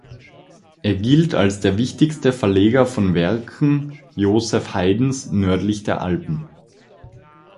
Er gilt als der wichtigste Verleger von Werken Joseph Haydns nördlich der Alpen.